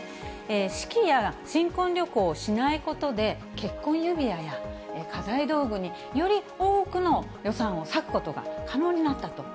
式や新婚旅行をしないことで、結婚指輪や家財道具により多くの予算を割くことが可能になったと。